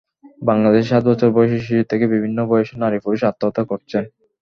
বাংলাদেশে সাত বছর বয়সী শিশু থেকে বিভিন্ন বয়সের নারী-পুরুষ আত্মহত্যা করছেন।